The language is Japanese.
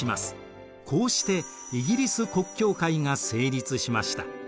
こうしてイギリス国教会が成立しました。